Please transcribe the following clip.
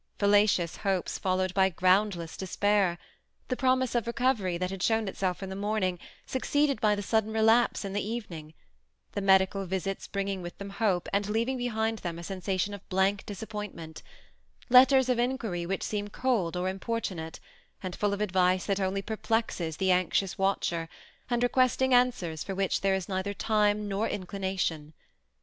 Fallacious hopes followed by groundless despair ; the promise of recovery that had shown itself in the morning, preceded by the sudden relapse in the evening ; the medical visits bringing with them hope, and leaving behind them a sensation of blank disap pointment; letters of inquiry which seem cold or im portunate, and full of advice that only perplexes the anxious watcher, and requesting answers for which there is neither time nor inclination.